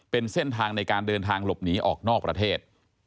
เป็นเส้นทางในการเดินทางหลบหนีออกนอกประเทศ